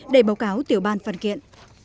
để báo cáo tiểu ban phần kiện